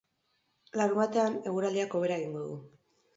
Larunbatean eguraldiak hobera egingo du.